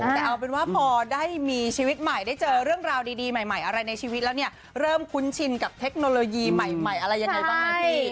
แต่เอาเป็นว่าพอได้มีชีวิตใหม่ได้เจอเรื่องราวดีใหม่อะไรในชีวิตแล้วเนี่ยเริ่มคุ้นชินกับเทคโนโลยีใหม่อะไรยังไงบ้างนะพี่